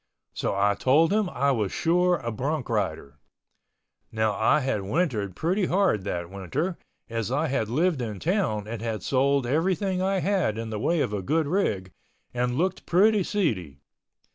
So I told him I was sure a bronc rider. Now I had wintered pretty hard that winter as I had lived in town and had sold everything I had in the way of a good rig and looked pretty seedy.